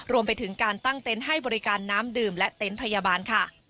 รวมไปถึงการตั้งเต็นต์ให้บริการน้ำดื่มและเต็นต์พยาบาลค่ะ